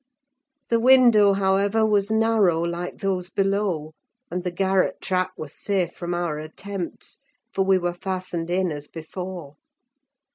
The window, however, was narrow, like those below, and the garret trap was safe from our attempts; for we were fastened in as before.